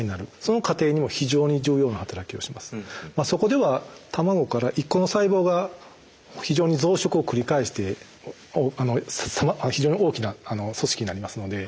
そこでは卵から１個の細胞が非常に増殖を繰り返して非常に大きな組織になりますので。